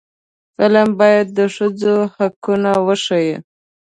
فلم باید د ښځو حقونه وښيي